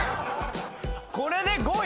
これで５位！？